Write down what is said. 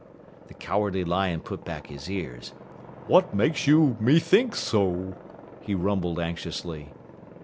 The Cowardly Lion put back his ears. "What makes you methink so?" he rumbled anxiously.